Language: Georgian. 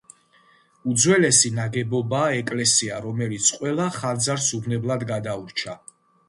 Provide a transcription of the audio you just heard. უძველესი ნაგებობაა ეკლესია, რომელიც ყველა ხანძარს უვნებლად გადაურჩა.